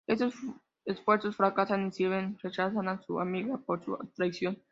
Sus esfuerzos fracasan, y Silvia rechaza a su amiga por su traición.